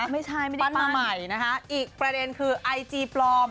ไม่ได้ปั้นมาใหม่นะคะอีกประเด็นคือไอจีปลอม